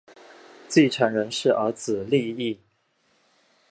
继承人是儿子利意。